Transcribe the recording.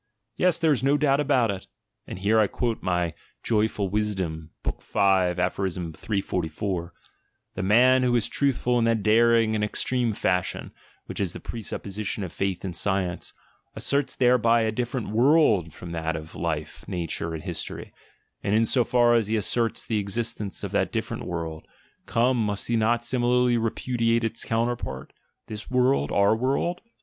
Yes, there is no doubt about it — and here I quote my Joyful Wis dom, cp. Book V. Aph. 344: "The man who is truthful in that daring and extreme fashion, which is the presup position of the faith in science, asserts thereby a different world from that of life, nature, and history; and in so far as he asserts the existence of that different world, come, must he not similarly repudiate its counterpart, this world, our world?